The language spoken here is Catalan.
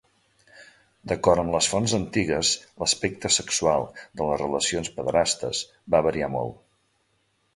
D'acord amb les fonts antigues l'aspecte sexual de les relacions pederastes va variar molt.